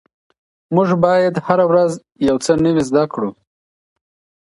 موږ باید هره ورځ یو څه نوي زده کړو.